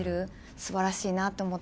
すばらしいなと思って。